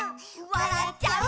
「わらっちゃう」